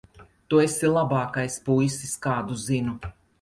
Tu esi labākais puisis, kādu zinu.